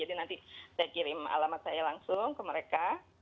jadi nanti saya kirim alamat saya langsung ke mereka